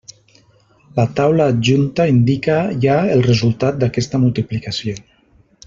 La taula adjunta indica ja el resultat d'aquesta multiplicació.